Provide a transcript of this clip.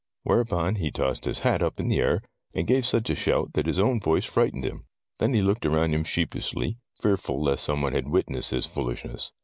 Whereupon he tossed his hat up in the air, and gave such a shout that his own voice frightened him. Then he looked around him sheepishly, fearful lest some one had witnessed his foolishness.